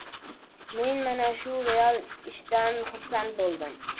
Men mana shu real ishdan xursand boʻldim.